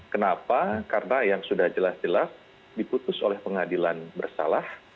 kenapa karena yang sudah jelas jelas diputus oleh pengadilan bersalah